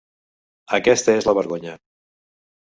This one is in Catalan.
Aquesta és la vergonya.